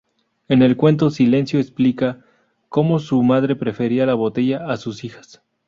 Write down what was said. En el cuento "Silencio" explica "como su madre prefería la botella a sus hijas".